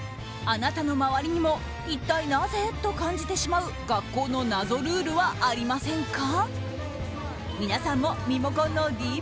あなたの周りにも一体なぜ？と感じてしまう学校の謎ルールはありませんか？